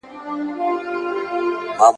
هسي نه چي دا یو ته په زړه خوږمن یې ..